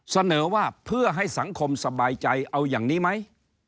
เสนอว่าเพื่อให้สังคมสบายใจเอาอย่างนี้ไหม